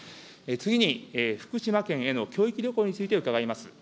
次に、福島県への教育旅行について伺います。